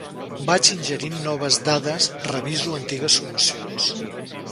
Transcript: Vaig ingerint noves dades, reviso antigues solucions.